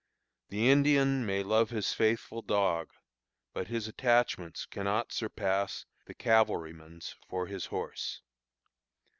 The Indian may love his faithful dog, but his attachments cannot surpass the cavalryman's for his horse.